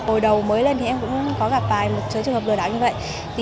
hồi đầu mới lên thì em cũng có gặp vài trường hợp lừa đảo như vậy